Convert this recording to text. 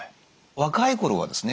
若い頃はですね